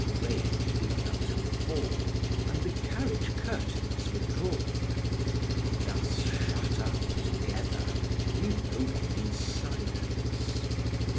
Rain began to fall, and the carriage curtains were drawn; thus shut up together we rode on in silence.